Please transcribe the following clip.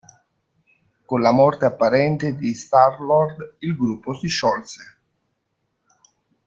Con la morte apparente di Star-Lord, il gruppo si sciolse.